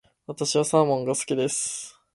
私はサーモンが好きです。